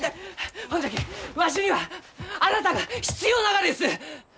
ほんじゃきわしにはあなたが必要ながです！